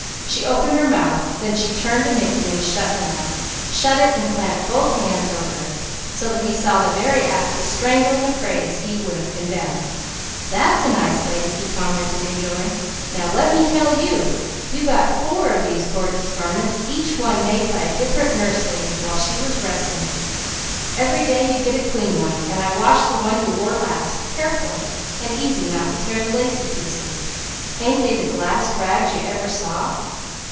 She opened her mouth. Then she turned to Mickey and shut her mouth; shut it and clapped both hands over it; so that he saw the very act of strangling a phrase he would have condemned. "That's a nice lady!" he commented in joy. "Now let me tell you! You got four of these gorgeous garments, each one made by a different nurse lady, while she was resting. Every day you get a clean one, and I wash the one you wore last, careful and easy not to tear the lacy places. Ain't they the gladdest rags you ever saw!"